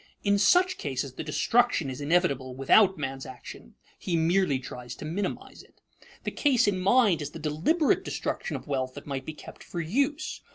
In such cases the destruction is inevitable without man's action; he merely tries to minimize it. The case in mind is the deliberate destruction of wealth that might be kept for use.